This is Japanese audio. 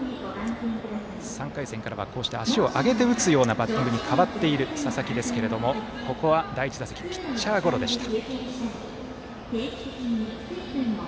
３回戦からは足を上げて打つような変わっている、佐々木ですけどもここは第１打席ピッチャーゴロでした。